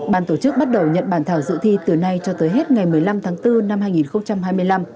ban tổ chức bắt đầu nhận bản thảo dự thi từ nay cho tới hết ngày một mươi năm tháng bốn năm hai nghìn hai mươi năm